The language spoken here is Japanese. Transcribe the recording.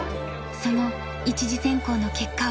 その一次選考の結果は。